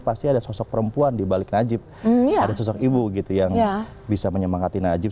pasti ada seseorang perempuan dibalik najib punya ada sesuatu gitu yang ya bisa menyemangati najib